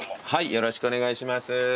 よろしくお願いします。